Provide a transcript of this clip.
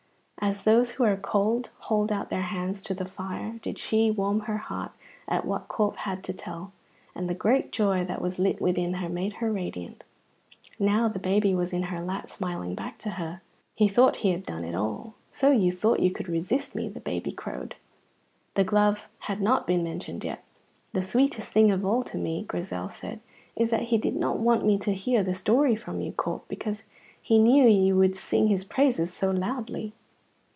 As those who are cold hold out their hands to the fire did she warm her heart at what Corp had to tell, and the great joy that was lit within her made her radiant. Now the baby was in her lap, smiling back to her. He thought he had done it all. "So you thought you could resist me!" the baby crowed. The glove had not been mentioned yet. "The sweetest thing of all to me," Grizel said, "is that he did not want me to hear the story from you, Corp, because he knew you would sing his praise so loudly."